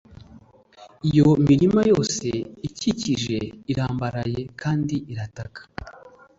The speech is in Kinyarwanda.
Iyo imirima yose ikikije irambaraye kandi irataka